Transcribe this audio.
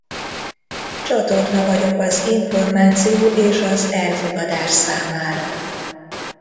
Csatorna vagyok az információ és az elfogadás számára.